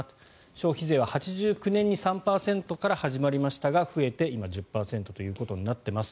消費税は８９年に３％から始まりましたが今増えて１０％となっています。